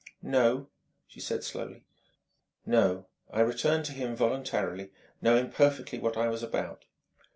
"No," she said slowly.... "No: I returned to him voluntarily, knowing perfectly what I was about."